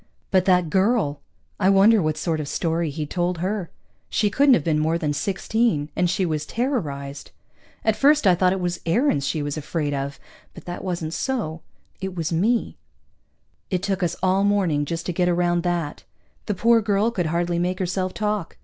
But that girl! I wonder what sort of story he'd told her? She couldn't have been more than sixteen, and she was terrorized. At first I thought it was Aarons she was afraid of, but that wasn't so. It was me. It took us all morning just to get around that. The poor girl could hardly make herself talk.